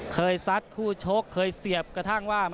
ซัดคู่ชกเคยเสียบกระทั่งว่า